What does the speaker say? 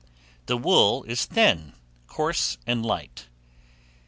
The wool is thin, coarse, and light.